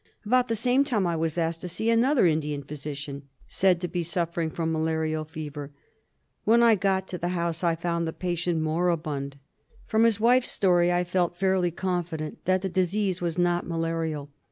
About the same time I was asked to see another Indian physician said to be suffering from malarial fever. When I got to the house I found the patient moribund. From his wife's story I felt fairly confident that the case was not malarial.